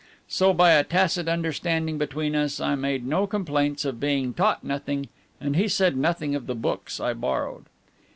So, by a tacit understanding between us, I made no complaints of being taught nothing, and he said nothing of the books I borrowed.